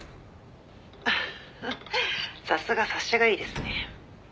「フフフさすが察しがいいですね」